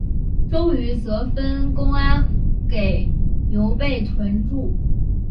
周瑜则分公安给刘备屯驻。